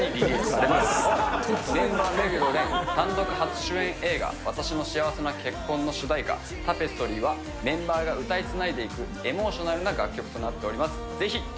メンバー、目黒蓮単独初主演映画、私の幸せな結婚の主題歌、タペストリーは、メンバーが歌いつないでいくエモーショナルな楽曲となっています。